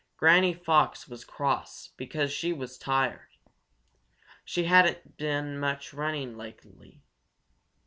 Granny Fox was cross because she was tired. She hadn't done much running lately.